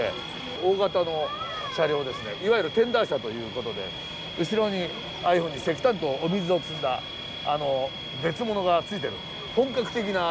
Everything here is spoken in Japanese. いわゆるテンダー車ということで後ろにああいうふうに石炭とお水を積んだ別物がついてる本格的な蒸気機関車Ｃ５８。